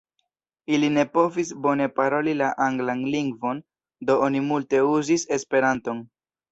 Ili ne povis bone paroli la anglan lingvon, do oni multe uzis Esperanton.